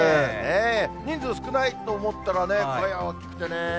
人数少ないと思ったらね、声は大きくてね。